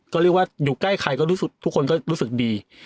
ก็เรียกว่าอยู่ใกล้ใครทุกคนก็รู้สึกดี